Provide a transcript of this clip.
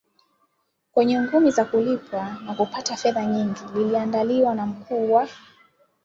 kwenye ngumi za kulipwa na kupata fedha nyingi liliandaliwa na mkuu wa